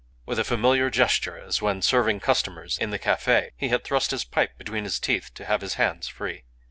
With a familiar gesture, as when serving customers in the cafe, he had thrust his pipe between his teeth to have his hands free.